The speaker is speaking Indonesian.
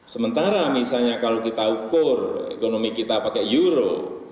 sementara misalnya kalau kita ukur ekonomi kita pakai euro